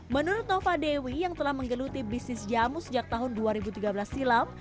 menurut nova dewi yang telah menggeluti bisnis jamu sejak tahun dua ribu tiga belas silam